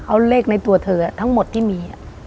เอาเลขในตัวเธอทั้งหมดที่มี